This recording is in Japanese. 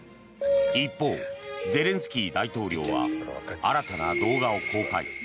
一方、ゼレンスキー大統領は新たな動画を公開。